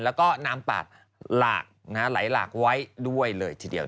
และน้ำปากหลายหลากไว้ด้วยเลยทีเดียว